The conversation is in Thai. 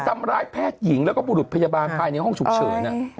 ทำร้ายแพทย์หญิงแล้วก็บุรุษพยาบาลภายในห้องฉุกเฉิน